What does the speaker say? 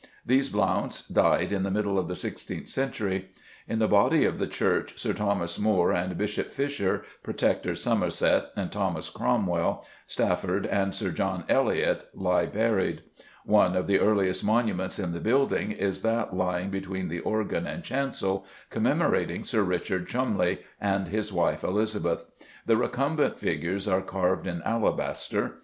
These Blounts died in the middle of the sixteenth century. In the body of the church Sir Thomas More and Bishop Fisher, Protector Somerset and Thomas Cromwell, Strafford and Sir John Eliot, lie buried. One of the earliest monuments in the building is that lying between the organ and chancel, commemorating Sir Richard Cholmondeley and his wife Elizabeth. The recumbent figures are carved in alabaster.